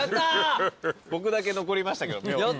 僕だけ残りましたけど。